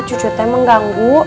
cucu teman mengganggu